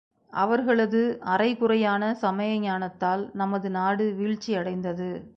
அவர்களது அரைகுறையான சமய ஞானத்தால் நமது நாடு வீழ்ச்சி அடைந்தது.